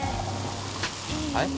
はい？